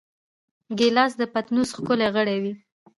ګیلاس د پتنوس ښکلی غړی وي.